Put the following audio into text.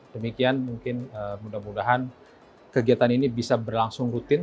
demikian mungkin mudah mudahan kegiatan ini bisa berlangsung rutin